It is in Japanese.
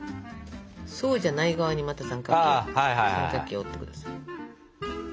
そうじゃない側にまた三角形を折って下さい。